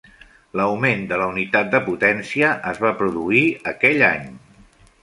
L'augment de la unitat de potència es va produir aquell any.